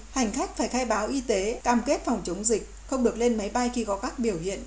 hành khách phải khai báo y tế cam kết phòng chống dịch không được lên máy bay khi có các biểu hiện